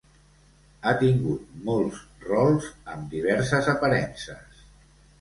Ha tingut molts rols amb diverses aparences.